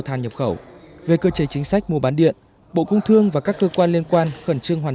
than nhập khẩu về cơ chế chính sách mua bán điện bộ công thương và các cơ quan liên quan khẩn trương hoàn